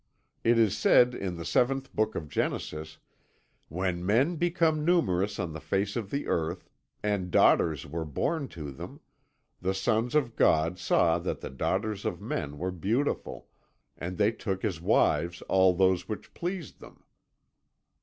It is said in the Seventh Book of Genesis, 'When men became numerous on the face of the earth, and daughters were born to them, the sons of God saw that the daughters of men were beautiful, and they took as wives all those which pleased them.'"